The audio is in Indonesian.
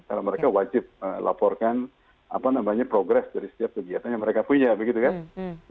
karena mereka wajib melaporkan apa namanya progress dari setiap kegiatan yang mereka punya begitu kan